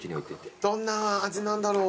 どんな味なんだろう。